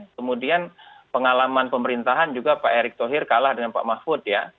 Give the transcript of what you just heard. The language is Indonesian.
kemudian pengalaman pemerintahan juga pak erick thohir kalah dengan pak mahfud ya